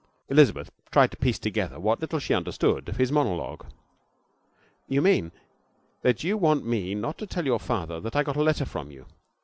Elizabeth tried to piece together what little she understood of his monologue. 'You mean that you want me not to tell your father that I got a letter from you?'